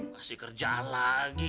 masih kerjaan lagi